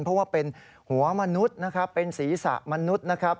เพราะว่าเป็นหัวมนุษย์นะครับเป็นศีรษะมนุษย์นะครับ